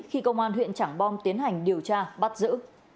khi công an huyện trảng bom tiến hành điều tra bắt giữ